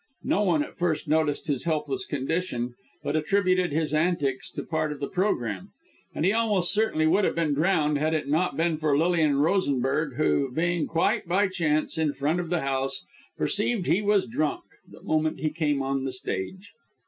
No one, at first, noticed his helpless condition, but attributed his antics to part of the programme; and he most certainly would have been drowned, had it not been for Lilian Rosenberg, who, being quite by chance, in front of the house, perceived he was drunk, the moment he came on the stage.